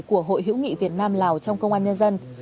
của hội hữu nghị việt nam lào trong công an nhân dân